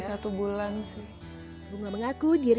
satu bulan sih bunga mengaku diri